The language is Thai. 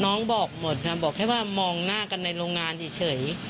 น้องบอกหมดค่ะบอกแค่ว่ามองหน้ากันในโรงงานเฉย